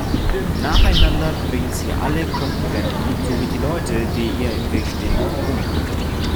Nacheinander bringt sie alle Konkurrenten sowie die Leute, die ihr im Weg stehen, um.